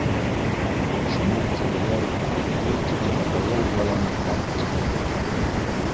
Шунан тегеләр был тиклем һылыу баланы һат тигәндәр.